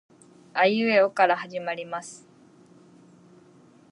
あいうえおから始まります